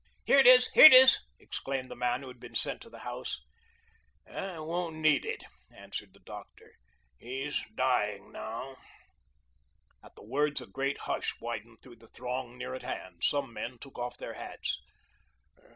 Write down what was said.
"Here it is, here it is," exclaimed the man who had been sent to the house. "I won't need it," answered the doctor, "he's dying now." At the words a great hush widened throughout the throng near at hand. Some men took off their hats.